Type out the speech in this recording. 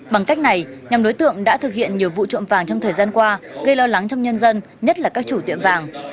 bằng cách này nhằm đối tượng đã thực hiện nhiều vụ trộm vàng trong thời gian qua gây lo lắng trong nhân dân nhất là các chủ tiệm vàng